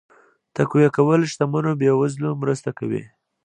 تقويه کول شتمنو بې وزلو مرسته کوي.